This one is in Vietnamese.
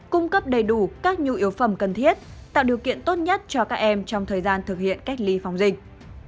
cung cấp đầy đủ các nhu yếu phẩm cần thiết tạo điều kiện tốt nhất cho các em trong thời gian thực hiện cách ly phòng dịch